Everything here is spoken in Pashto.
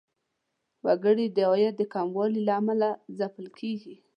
وګړي د عاید د کموالي له امله ځپل کیږي.